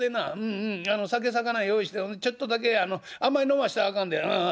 うん酒さかな用意してちょっとだけあんまり飲ませたらあかんでうんうん。